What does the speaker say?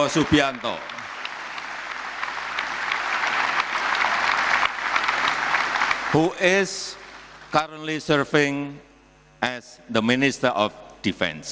sekarang berdiri sebagai minister defense